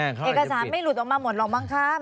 เอกสารไม่หลุดออกมาหมดหรอกมั้งครับ